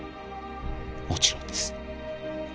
もちろんです。